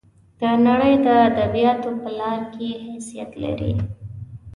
د نړۍ د ادبیاتو په لار کې حیثیت لري.